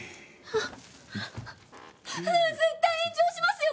あっ。